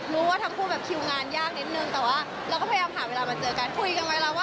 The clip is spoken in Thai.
หลังที่แฮปต์ก็เป็นกราวด้วยยังไม่ได้ค่ะ